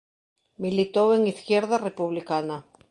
Militou en Izquierda Republicana.